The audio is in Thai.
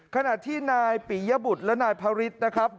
ขณะที่นายปิยบุตรและนายพระฤทธิ์นะครับ